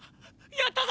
やったぞ！！